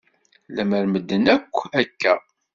Lemmer medden akk akka.